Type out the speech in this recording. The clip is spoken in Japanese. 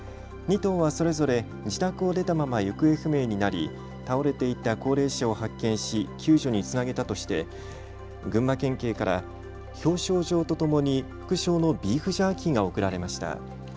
２頭はそれぞれ、自宅を出たまま行方不明になり倒れていた高齢者を発見し救助につなげたとして群馬県警から表彰状とともに副賞のビーフジャーキーが贈られました。